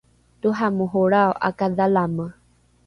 toramorolrao ’akadhalame